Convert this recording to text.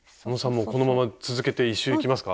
もうこのまま続けて１周いきますか？